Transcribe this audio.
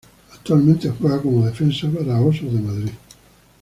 Actualmente juega como defensive back para Osos de Madrid.